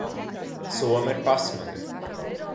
Soma ir pasmaga.